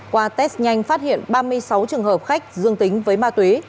qua test nhanh phát hiện ba mươi sáu trường hợp khách dương tính với ma túy